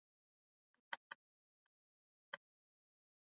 piga hatua sana ya kimaendeleo afrika mashariki